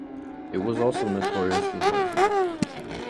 It was also notoriously noisy.